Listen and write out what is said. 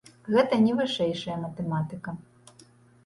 Гэта не вышэйшая матэматыка.